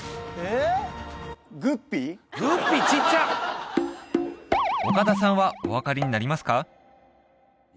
グッピー岡田さんはお分かりになりますか？